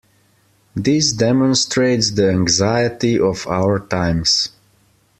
This demonstrates the anxiety of our times.